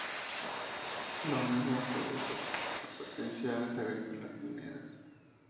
Lo mismo que de sus potencialidades agrícolas, mineras.